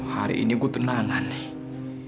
hari ini gue tenangan nih